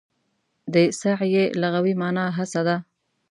د سعې لغوي مانا هڅه ده.